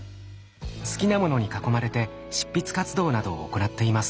好きなものに囲まれて執筆活動などを行っています。